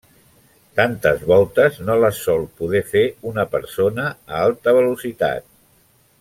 Tantes voltes no les sol poder fer una persona a alta velocitat.